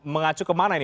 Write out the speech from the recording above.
mengacu kemana ini